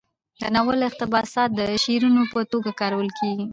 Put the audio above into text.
د ناول اقتباسات د شعارونو په توګه کارول کیږي.